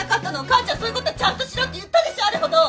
母ちゃんそういうことはちゃんとしろって言ったでしょあれほど！